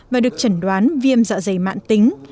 và được chẩn đoán viêm dạ dày mạn tính